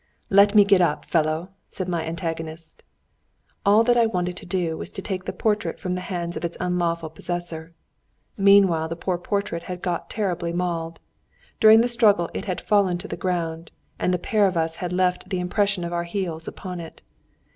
"Let me get up, fellow!" said my antagonist. All that I wanted to do was to take the portrait from the hands of its unlawful possessor. Meanwhile the poor portrait had got terribly mauled. During the struggle it had fallen to the ground, and the pair of us had left the impression of our heels upon it.